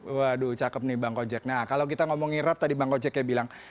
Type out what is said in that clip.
waduh cakep nih bang kojek nah kalau kita ngomongin rap tadi bang kojek ya bilang